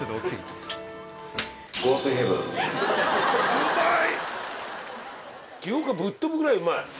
うまい！